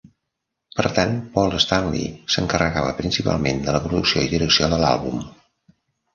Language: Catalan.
Per tant, Paul Stanley s'encarregava principalment de la producció i direcció de l'àlbum.